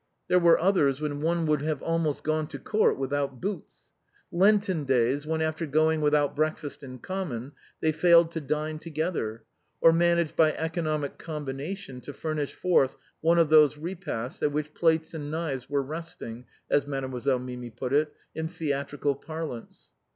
There were others when one would have almost gone to Court without boots ; Lenten days, when, after going without breakfast in common, they failed to dine together, or managed by eco nomic combination to furnish forth one of those repasts at which plates and knives and forks were " resting," as Made moiselle Mirai put it, in theatrical parlance.